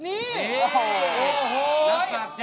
นี่โอ้โห